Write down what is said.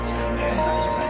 大丈夫だ。な？